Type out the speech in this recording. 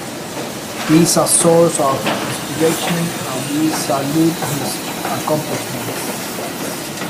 He is a source of inspiration and we salute his accomplishment.